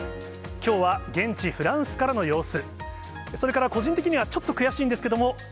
きょうは現地、フランスからの様子。